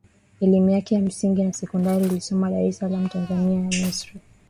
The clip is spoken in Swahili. Elimu yake ya msingi na sekondary alisoma Dar es salaam Tanzania na Misri